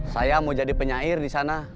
saya mau jadi penyair di sana